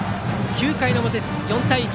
９回の表です、４対１。